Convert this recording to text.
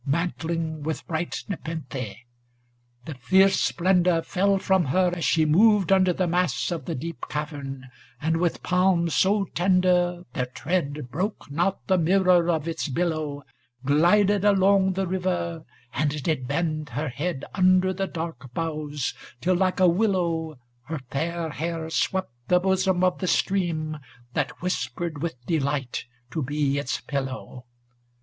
Mantling with bright nepenthe; the fierce splendor Fell from her as she moved under the mass 360 * Of the deep cavern, and, with palms so tender Their tread broke not the mirror of its billow, Glided along the river, and did bend her * Head under the dark boughs, till like a willow, Her fair hair swept the bosom of the stream That whispered with delight to be its pil low.